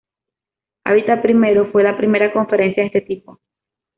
Hábitat I fue la primera conferencia de este tipo.